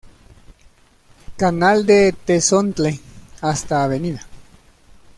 Canal de Tezontle hasta Av.